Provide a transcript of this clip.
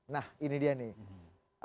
nah ini dia nih